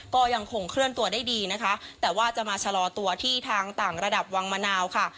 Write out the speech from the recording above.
ก็ยังคงเคลื่อนตัวได้ดีนะคะแต่ว่าจะมาชะลอตัวที่ทางต่างระดับวังมะนาวค่ะ